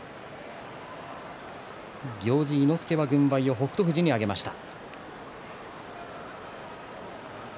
行司の伊之助は軍配を北勝富士に上げました。